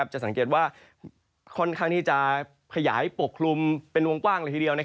จะสังเกตว่าค่อนข้างที่จะขยายปกคลุมเป็นวงกว้างเลยทีเดียว